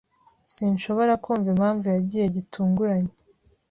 Sinshobora kumva impamvu yagiye gitunguranye.